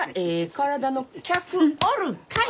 体の客おるかい！